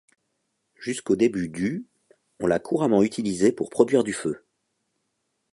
Jusqu'au début du on l'a couramment utilisé pour produire du feu.